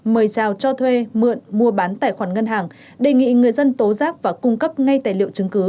mời chào cho thuê mượn mua bán tài khoản ngân hàng đề nghị người dân tố giác và cung cấp ngay tài liệu chứng cứ